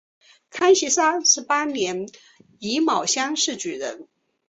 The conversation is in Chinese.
康熙三十八年己卯乡试举人。